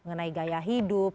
mengenai gaya hidup